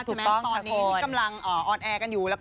ตอนนี้กำลังออนแอร์กันอยู่แล้วก็